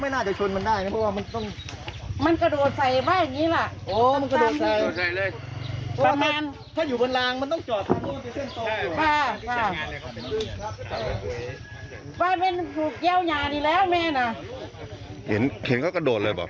ในชุมชนไม่มีใครรู้จักผู้ตายเลยครับ